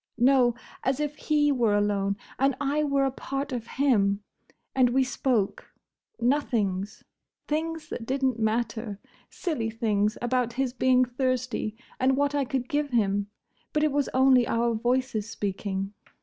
No! As if he were alone, and I were a part of him. And we spoke. Nothings. Things that didn't matter. Silly things; about his being thirsty, and what I could give him. But it was only our voices speaking.